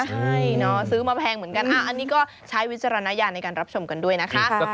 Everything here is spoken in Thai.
ใช่ซื้อมาแพงเหมือนกันอันนี้ก็ใช้วิจารณญาณในการรับชมกันด้วยนะคะ